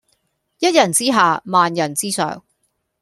一人之下萬人之上